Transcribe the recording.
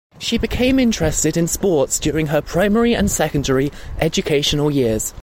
She became interested in sports during her primary and secondary educational years.